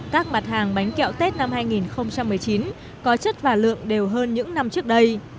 các mặt hàng bánh kẹo tết năm hai nghìn một mươi chín có chất và lượng đều hơn những năm trước đây